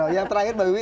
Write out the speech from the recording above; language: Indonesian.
yang terakhir mbak wiwi